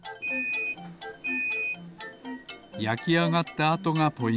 やきあがったあとがポイント。